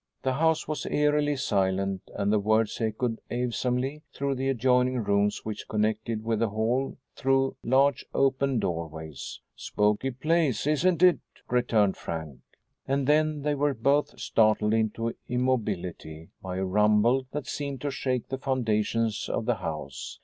The house was eerily silent and the words echoed awesomely through the adjoining rooms which connected with the hall through large open doorways. "Spooky place, isn't it?" returned Frank. And then they were both startled into immobility by a rumble that seemed to shake the foundations of the house.